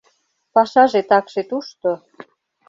Пашаже такше тушто...